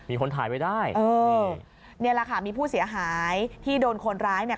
มีคนถ่ายไว้ได้เออนี่แหละค่ะมีผู้เสียหายที่โดนคนร้ายเนี่ย